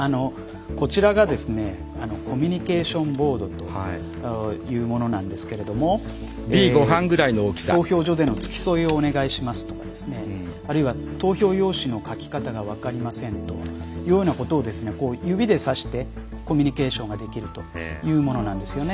こちらがコミュニケーションボードというものなんですけれども「投票所での付き添いをお願いします」とかあるいは「投票用紙の書き方が分かりません」というようなことを指でさしてコミュニケーションができるというものなんですよね。